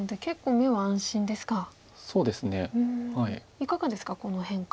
いかがですかこの変化。